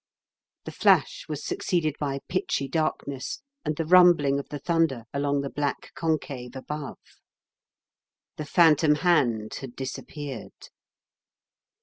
The flash was succeeded by pitchy dark ness and the rumbling of the thunder along the black concave above. The phantom hand had disappeared.